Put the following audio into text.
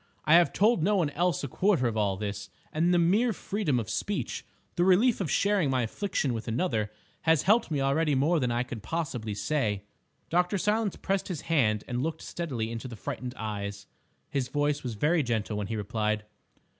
I have told no one else a quarter of all this, and the mere freedom of speech—the relief of sharing my affliction with another—has helped me already more than I can possibly say." Dr. Silence pressed his hand and looked steadily into the frightened eyes. His voice was very gentle when he replied.